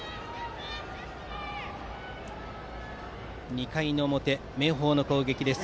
２回の表、明豊の攻撃です。